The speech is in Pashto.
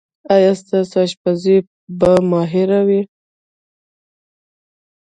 ایا ستاسو اشپز به ماهر وي؟